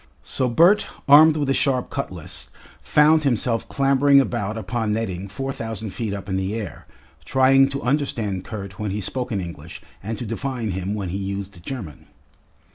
So Bert, armed with a sharp cutlass, found himself clambering about upon netting four thousand feet up in the air, trying to understand Kurt when he spoke in English and to divine him when he used German.